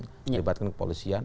reformasi dalam melibatkan kepolisian